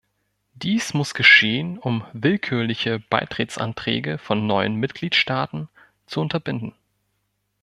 Dies muss geschehen, um willkürliche Beitrittsanträge von neuen Mitgliedstaaten zu unterbinden.